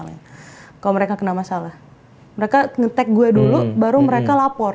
kalau mereka kena masalah mereka nge tac gue dulu baru mereka lapor